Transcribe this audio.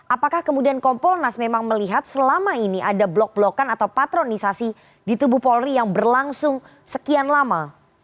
apakah kemudian kompolnas memang melihat selama ini ada blok blokan atau patronisasi di tubuh polri yang berlangsung sekian lama